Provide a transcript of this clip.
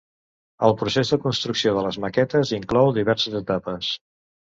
El procés de construcció de les maquetes inclou diverses etapes.